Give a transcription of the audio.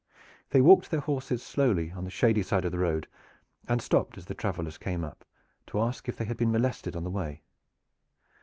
They walked their horses slowly on the shady side of the road, and stopped as the travelers came up, to ask if they had been molested on the way.